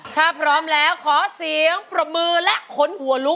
ถ้าพร้อมแล้วขอเสียงปรบมือและขนหัวลุก